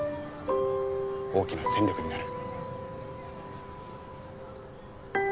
大きな戦力になる。